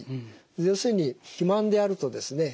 要するに肥満であるとですね